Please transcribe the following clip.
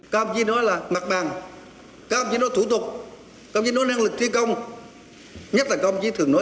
các ông chỉ nói là mặt bàn các ông chỉ nói thủ tục các ông chỉ nói năng lực thi công nhất là các ông chỉ thường nói